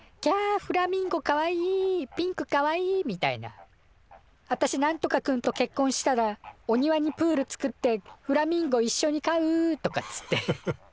フラミンゴかわいいピンクかわいい」みたいな「あたしなんとか君とけっこんしたらお庭にプール作ってフラミンゴいっしょに飼う」とかっつって。